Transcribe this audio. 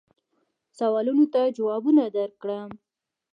سوالونو ته جوابونه درکړم.